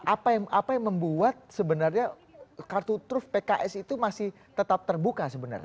apa yang membuat sebenarnya kartu truf pks itu masih tetap terbuka sebenarnya